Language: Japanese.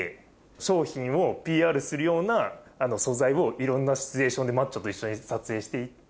商品をＰＲするような素材をいろんなシチュエーションでマッチョと一緒に撮影して行って。